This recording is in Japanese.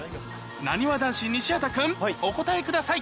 なにわ男子・西畑君お答えください